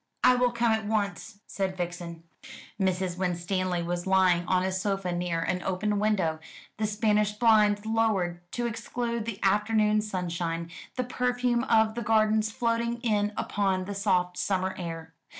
"I will come at once," said Vixen. Mrs. Winstanley was lying on a sofa near an open window, the Spanish blinds lowered to exclude the afternoon sunshine, the perfume of the gardens floating in upon the soft summer air.